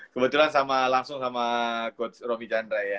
kebetulan langsung sama coach romy chandra ya